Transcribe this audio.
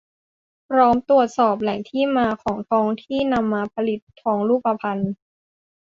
พร้อมตรวจสอบแหล่งที่มาของทองที่นำมาผลิตทองรูปพรรณ